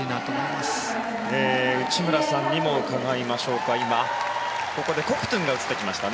また内村さんに伺いましょう。